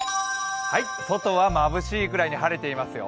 外はまぶしいくらいに晴れていますよ。